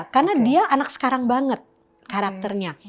karena dia anak sekarang banget karakternya